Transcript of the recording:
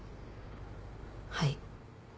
はい。